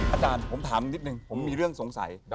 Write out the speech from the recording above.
อาจารย์ผมถามนิดนึงผมมีเรื่องสงสัย